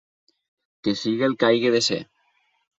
Que sigui el que hagi de ser.